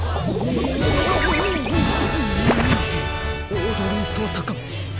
オードリーそうさかん！